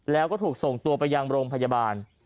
แล้วก็ถูกส่งตัวไปยังโรงพยาบาล